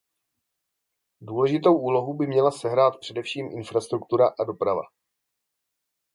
Důležitou úlohu by měla sehrát především infrastruktura a doprava.